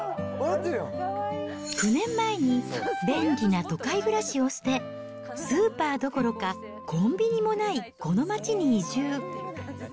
９年前に便利な都会暮らしを捨て、スーパーどころか、コンビニもないこの町に移住。